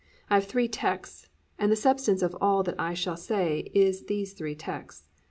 I have three texts, and the substance of all that I shall say is these three texts.